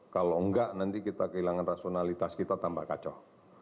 kalau enggak nanti kita kehilangan rasionalitas kita tambah kacau